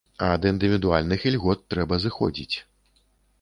Ад індывідуальных ільгот трэба зыходзіць.